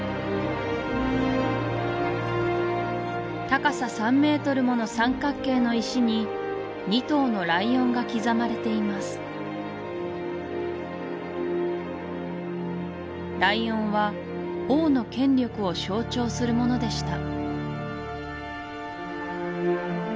高さ３メートルもの三角形の石に２頭のライオンが刻まれていますライオンは王の権力を象徴するものでした